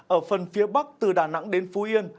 ở phần phía bắc từ đà nẵng đến phú yên